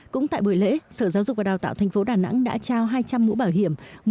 cũng tại buổi lễ sở giáo dục và đào tạo thành phố đà nẵng đã trao hai trăm linh mũ bảo hiểm